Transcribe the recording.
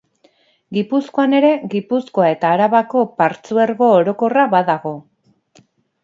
Gipuzkoan ere Gipuzkoa eta Arabako Partzuergo Orokorra badago.